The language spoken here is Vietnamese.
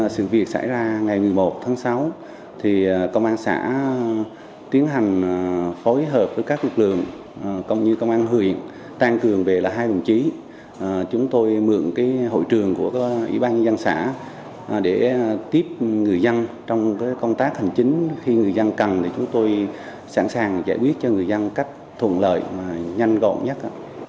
sẵn sàng giải quyết cho người dân cách thùng lợi và nhanh gọn nhất